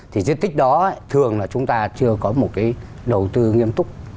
thì di tích đó thường là chúng ta chưa có một cái đầu tư nghiêm túc